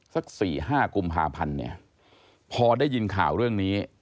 สัก๔๕กุมภาพันธ์เนี่ยพอได้ยินข่าวเรื่องนี้